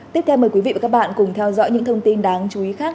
tiếp theo mời quý vị và các bạn cùng theo dõi những thông tin đáng chú ý khác